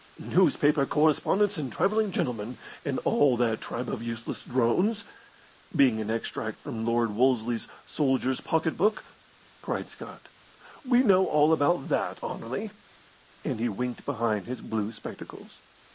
"'Newspaper correspondents and travelling gentlemen, and all that tribe of useless drones' being an extract from Lord Wolseley's 'Soldier's Pocket Book,'" cried Scott. "We know all about that, Anerley;" and he winked behind his blue spectacles.